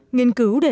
nghiên cứu đề xuất